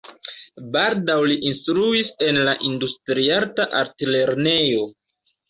Baldaŭ li instruis en la Industriarta Altlernejo.